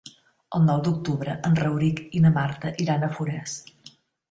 El nou d'octubre en Rauric i na Marta iran a Forès.